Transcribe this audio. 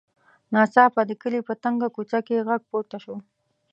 ناڅاپه د کلي په تنګه کوڅه کې غږ پورته شو.